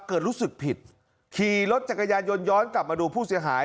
รู้สึกผิดขี่รถจักรยานยนต์ย้อนกลับมาดูผู้เสียหาย